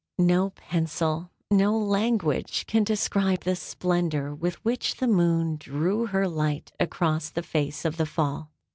No pencil, no language, can describe the splendour with which the moon drew her light across the face of the Fall.